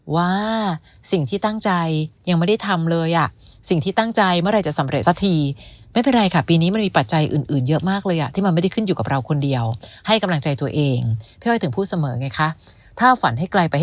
ว่าสิ่งที่ตั้งใจยังไม่ได้ทำเลยสิ่งที่ตั้งใจเมื่อไหร่จะสำเร็จสักที